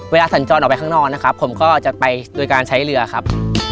สัญจรออกไปข้างนอกนะครับผมก็จะไปโดยการใช้เรือครับ